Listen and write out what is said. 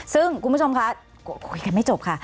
ซึ่งคุณผู้ชมคะคุยกันไม่จบค่ะ